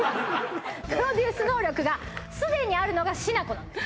プロデュース能力がすでにあるのがしなこなんです